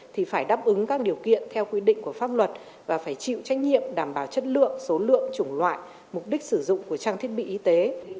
thì phải đáp ứng các điều kiện theo quy định của pháp luật và phải chịu trách nhiệm đảm bảo chất lượng số lượng chủng loại mục đích sử dụng của trang thiết bị y tế